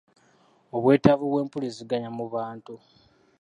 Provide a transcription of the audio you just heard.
Obwetaavu bw’empuliziganya mu bantu